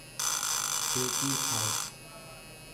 ٿَي ڪِي کائون؟